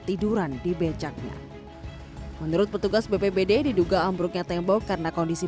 tiduran di becaknya menurut petugas bpbd diduga ambruknya tembok karena kondisi